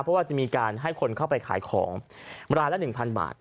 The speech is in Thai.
เพราะว่าจะมีการให้คนเข้าไปขายของรายละ๑๐๐บาท